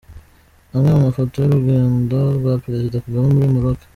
Amwe mu mafoto y’urugendo rwa Perezida Kagame muri Maroc.